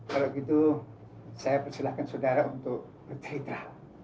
kalau gitu saya persilahkan saudara untuk bercerita